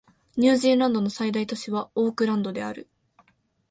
ニュージーランドの最大都市はオークランドである